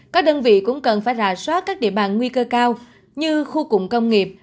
các đơn vị cũng cần phải rà soát các địa bàn nguy cơ cao như khu cụm công nghiệp